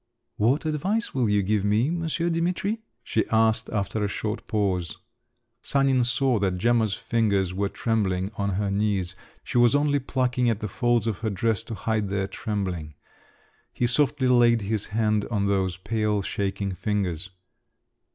"What advice will you give me, Monsieur Dimitri?" she asked, after a short pause. Sanin saw that Gemma's fingers were trembling on her knees…. She was only plucking at the folds of her dress to hide their trembling. He softly laid his hand on those pale, shaking fingers.